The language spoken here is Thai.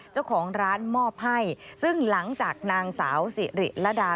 เจ้าของร้านมอบให้ซึ่งหลังจากนางสาวสิริระดา